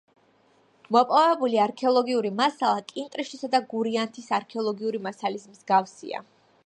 მოპოვებული არქეოლოგიური მასალა კინტრიშისა და გურიანთის არქეოლოგიური მასალის მსგავსია.